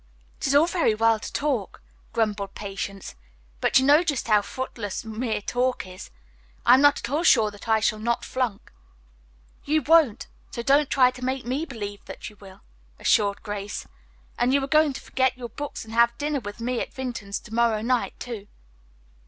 "It is all very well to talk," grumbled Patience, "but you know just how footless mere talk is. I'm not at all sure that I shall not flunk." "You won't, so don't try to make me believe you will," assured Grace, "and you are going to forget your books and have dinner with me at Vinton's to morrow night, too."